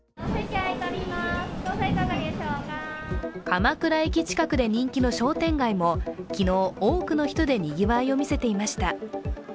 鎌倉駅近くで人気の商店街も昨日、多くの人でにぎわいを見せていました。